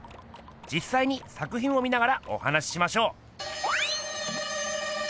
じっさいに作品を見ながらお話ししましょう！